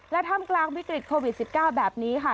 และท่ามกลางวิกฤตโควิด๑๙แบบนี้ค่ะ